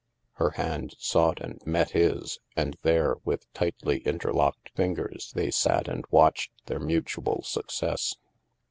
Her hand sought and met his, and there, with tightly interlocked fingers, they sat and watched their mutual success.